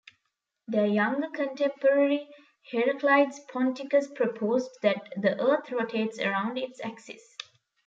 Their younger contemporary Heraclides Ponticus proposed that the Earth rotates around its axis.